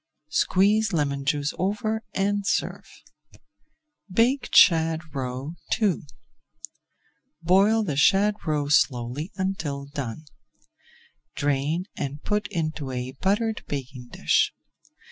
Squeeze lemon juice over and serve. BAKED SHAD ROE II Boil the shad roe slowly until done. Drain and put into a buttered baking dish.